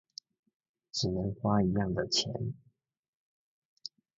只能花一樣的錢